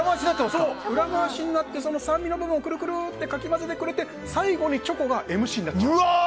裏回しになって酸味の部分をくるくるとかき混ぜてくれて最後にチョコがＭＣになっちゃう。